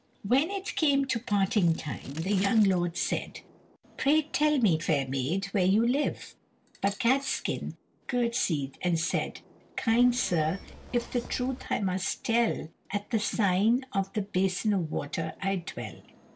When it came to parting time, the young lord said, "Pray tell me, fair maid, where you live." But Catskin curtsied and said: "Kind sir, if the truth I must tell, At the sign of the 'Basin of Water' I dwell."